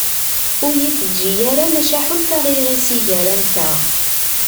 Ur iyi-teǧǧi ara maca ḥulfaɣ i yiɣisi gar-anteɣ.